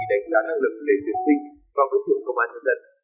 để đánh giá năng lực tuyển sinh vào cơ trường công an nhân dân